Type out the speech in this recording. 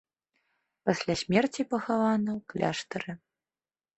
Пасля смерці пахавана ў кляштары.